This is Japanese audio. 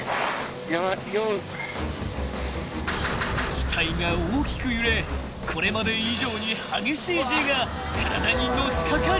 ［機体が大きく揺れこれまで以上に激しいＧが体にのしかかる］